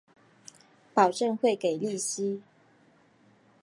保证会给利息